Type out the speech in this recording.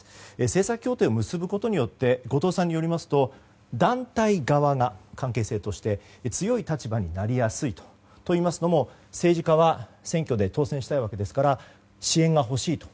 政策協定を結ぶことによって後藤さんによりますと団体側が関係性として強い立場になりやすいと。といいますのも、政治家は選挙で当選したいわけですから支援が欲しいと。